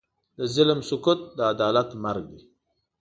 د ظلم سکوت، د عدالت مرګ دی.